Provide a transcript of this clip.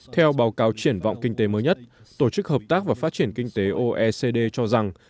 theo báo cáo triển vọng kinh tế mới nhất tổ chức hợp tác và phát triển kinh tế oecd cho rằng